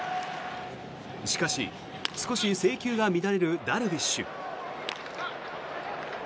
しかし、少し制球が乱れるダルビッシュ。